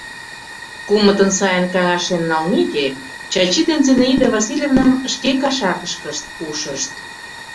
Кумытын сайын каҥашен налмеке, Чачи ден Зинаида Васильевнам шке кашакышкышт ушышт.